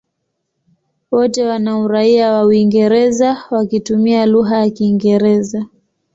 Wote wana uraia wa Uingereza wakitumia lugha ya Kiingereza.